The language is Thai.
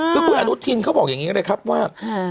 คือคุณอนุทินเขาบอกอย่างนี้เลยครับว่า